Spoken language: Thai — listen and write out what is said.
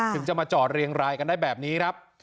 ถึงจะมาจอดเรียงรายกันได้แบบนี้ครับ